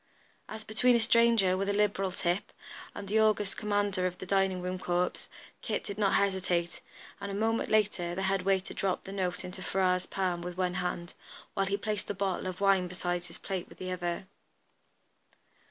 As between a stranger with a liberal tip, and the august commander of the dining room corps, Kit did not hesitate, and a moment later the head waiter dropped the note into Ferrars' palm with one hand, while he placed a bottle of wine beside his plate with the other.